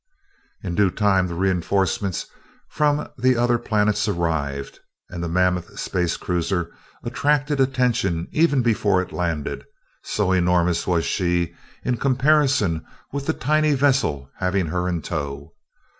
In due time the reinforcements from the other planets arrived, and the mammoth space cruiser attracted attention even before it landed, so enormous was she in comparison with the tiny vessels having her in tow.